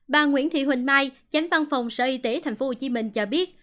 bà nguyễn thị huỳnh mai chánh văn phòng sở y tế tp hcm cho biết